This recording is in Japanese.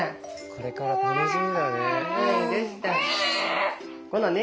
これから楽しみだね。